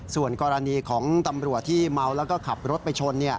ส่วนกรณีของตำรวจที่เมาแล้วก็ขับรถไปชน